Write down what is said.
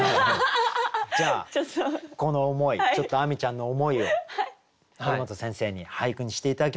じゃあこの思いちょっと亜美ちゃんの思いを堀本先生に俳句にして頂きましょう。